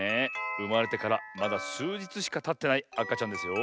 うまれてからまだすうじつしかたってないあかちゃんですよ。